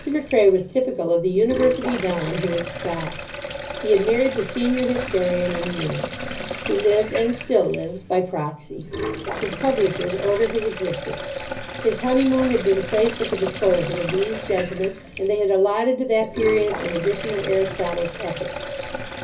Macrae was typical of the University don who is Scotch. He had married the senior historian of Newnham. He lived (and still lives) by proxy. His publishers order his existence. His honeymoon had been placed at the disposal of these gentlemen, and they had allotted to that period an edition of Aristotle's Ethics.